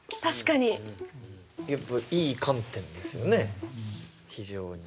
いい観点ですよね非常に。